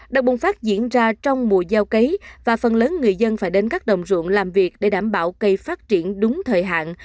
đợt bùng phát diễn ra trong mùa gieo cấy và phần lớn người dân phải đến các đồng ruộng làm việc để đảm bảo cây phát triển đúng thời hạn